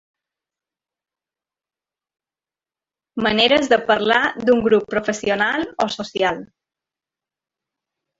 Maneres de parlar d'un grup professional o social.